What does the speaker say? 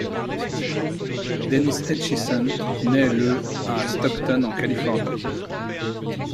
Dennis Etchison naît le à Stockton en Californie.